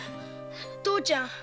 父ちゃん